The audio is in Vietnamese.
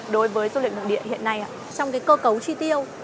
đối với du lịch nội địa hiện nay trong cơ cấu chi tiêu